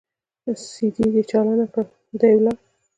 سي ډي يې چالانه کړه دى ولاړ.